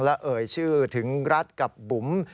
และเอ่ยชื่อถึงรัฐกับบุ๋ม